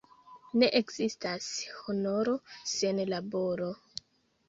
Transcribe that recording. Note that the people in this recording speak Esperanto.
Ne ekzistas honoro sen laboro.